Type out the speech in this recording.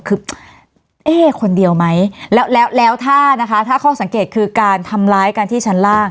คือเอ๊ะคนเดียวไหมแล้วแล้วถ้านะคะถ้าข้อสังเกตคือการทำร้ายกันที่ชั้นล่าง